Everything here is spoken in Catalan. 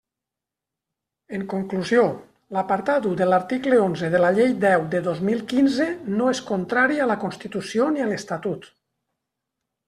En conclusió, l'apartat u de l'article onze de la Llei deu de dos mil quinze no és contrari a la Constitució ni a l'Estatut.